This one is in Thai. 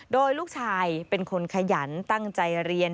โดยลูกชายเป็นคนขยันตั้งใจเรียน